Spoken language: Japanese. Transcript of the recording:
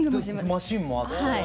マシンもあって。